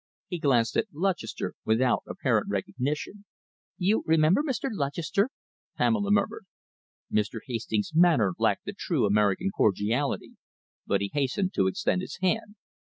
He glanced at Lutchester without apparent recognition. "You remember Mr. Lutchester?" Pamela murmured. Mr. Hastings' manner lacked the true American cordiality, but he hastened to extend his hand.